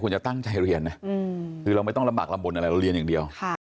คุณจะตั้งใจเรียนเนี่ยคือเราไม่ต้องระบักระบวนอะไรเราเรียนอย่างเดียว